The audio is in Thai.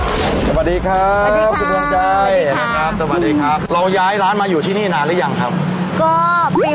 สวัสดีครับสวัสดีครับสวัสดีครับสวัสดีครับสวัสดีครับเราย้ายร้านมาอยู่ที่นี่นานหรือยังครับ